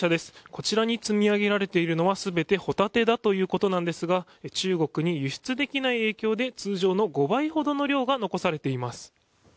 こちらに積み上げられているのは全てホタテだということなんですが中国に輸出できない影響で通常の５倍ほどの量が残されています。